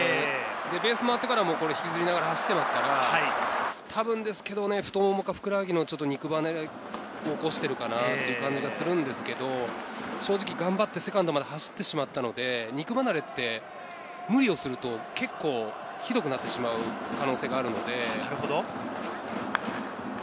ベース回ってからも引きずりながら走っていますから、たぶんですけどね、太ももか、ふくらはぎの肉離れを起こしているかなっていう感じがするんですけど、正直頑張ってセカンドまで走ってしまったので、肉離れって無理をすると、結構ひどくなってしまう可能性があるので。